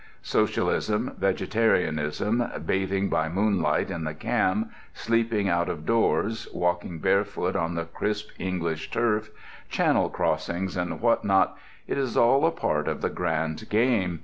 Socialism, vegetarianism, bathing by moonlight in the Cam, sleeping out of doors, walking barefoot on the crisp English turf, channel crossings and what not—it is all a part of the grand game.